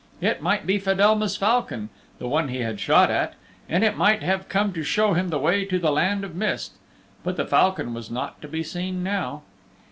It might be Fedelma's falcon, the one he had shot at, and it might have come to show him the way to the Land of Mist. But the falcon was not to be seen now.